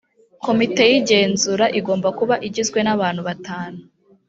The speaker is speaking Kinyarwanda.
komite y’igenzura igomba kuba igizwe n abantu batanu